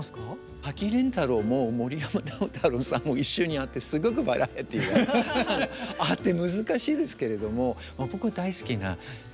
滝廉太郎も森山直太朗さんも一緒にあってすごくバラエティーがあって難しいですけれども。